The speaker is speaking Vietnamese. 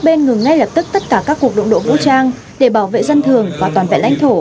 bên ngừng ngay lập tức tất cả các cuộc đụng độ vũ trang để bảo vệ dân thường và toàn vẹn lãnh thổ